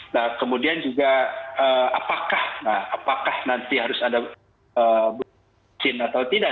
nah kemudian juga apakah nanti harus ada vaksin atau tidak